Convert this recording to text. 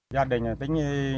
gia đình tính như